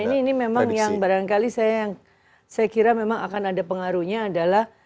nah ini memang barangkali saya kira akan ada pengaruhnya adalah